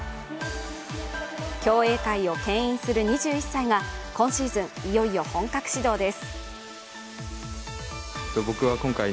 競泳界をけん引する２１歳が今シーズン、いよいよ本格始動です